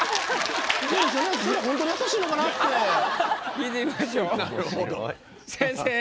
聞いてみましょう先生！